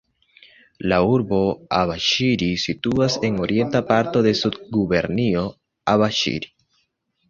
La urbo Abaŝiri situas en orienta parto de Subgubernio Abaŝiri.